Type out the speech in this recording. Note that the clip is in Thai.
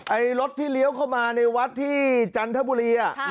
ไอ้รถที่เลี้ยวเข้ามาในวัดที่จันทบุรี